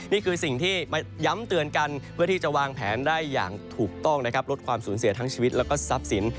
นี่คือสิ่งที่มาย้ำเตือนกันเพื่อที่จะวางแผนได้อย่างถูกต้องนะครับลดความสูญเสียทั้งชีวิตแล้วก็ทรัพย์สิน